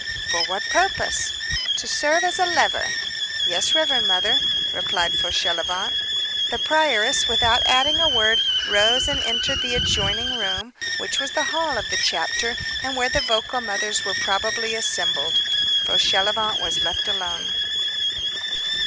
"For what purpose?" "To serve as a lever." "Yes, reverend Mother," replied Fauchelevent. The prioress, without adding a word, rose and entered the adjoining room, which was the hall of the chapter, and where the vocal mothers were probably assembled. Fauchelevent was left alone.